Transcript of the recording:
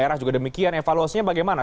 daerah juga demikian evaluasinya bagaimana